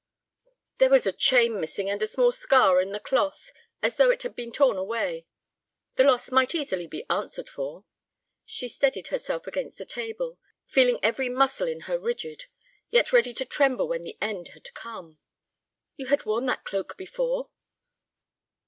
"There was a chain missing and a small scar in the cloth, as though it had been torn away. The loss might easily be answered for." She steadied herself against the table, feeling every muscle in her rigid, yet ready to tremble when the end had come. "You had worn that cloak before?"